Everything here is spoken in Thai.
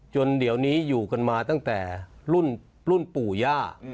เดี๋ยวนี้อยู่กันมาตั้งแต่รุ่นปู่ย่า